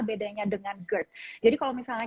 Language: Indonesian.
bedanya dengan gerd jadi kalau misalnya